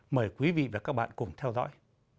mời quý vị và các bạn cùng theo dõi